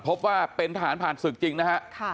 พบว่าเป็นทหารผ่านศึกจริงนะฮะ